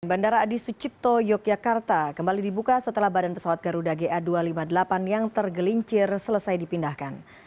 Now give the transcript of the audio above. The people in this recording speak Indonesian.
bandara adi sucipto yogyakarta kembali dibuka setelah badan pesawat garuda ga dua ratus lima puluh delapan yang tergelincir selesai dipindahkan